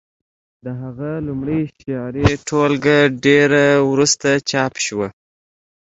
د هغه لومړۍ شعري ټولګه ډېره وروسته چاپ شوه